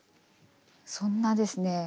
そんなですね